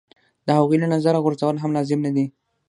د هغوی له نظره غورځول هم لازم نه دي.